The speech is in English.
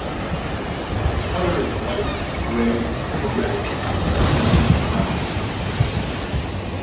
The color is white, grey or reddish to yellowish brown.